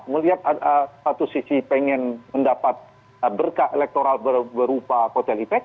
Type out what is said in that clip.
melihat satu sisi ingin mendapat berkah elektoral berupa hotel itek